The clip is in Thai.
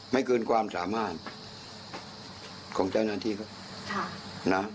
ไม่คืนความสามารถของจัดหน้าที่เขา